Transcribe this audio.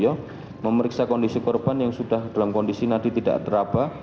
memeriksa kondisi korban yang sudah dalam kondisi nadi tidak teraba